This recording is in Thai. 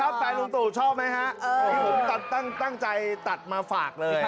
นี่ถ้ายินมีตามุนต่างใจมาฝากเลย